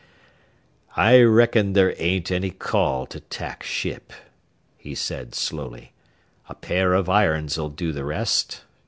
"I reckon there ain't any call to tack ship," he said slowly; "a pair of irons'll do the rest.